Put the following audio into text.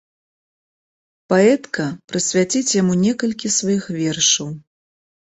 Паэтка прысвяціць яму некалькі сваіх вершаў.